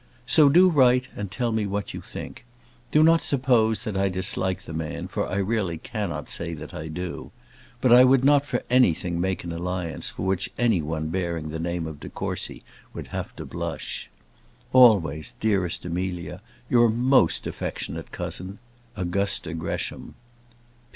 So do write and tell me what you think. Do not suppose that I dislike the man, for I really cannot say that I do. But I would not for anything make an alliance for which any one bearing the name of de Courcy would have to blush. Always, dearest Amelia, Your most affectionate cousin, AUGUSTA GRESHAM.